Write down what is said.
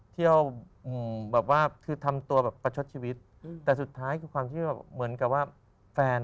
เที่ยวแบบว่าคือทำตัวแบบประชดชีวิตแต่สุดท้ายคือความที่แบบเหมือนกับว่าแฟน